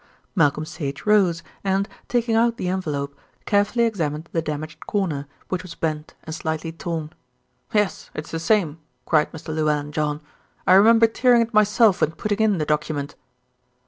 Malcolm Sage rose and, taking out the envelope, carefully examined the damaged corner, which was bent and slightly torn. "Yes, it's the same," cried Mr. Llewellyn John. "I remember tearing it myself when putting in the document."